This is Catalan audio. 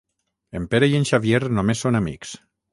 En Pere i en Xavier només són amics.